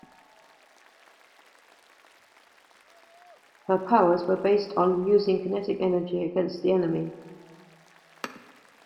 Her powers were based on using kinetic energy against the enemy.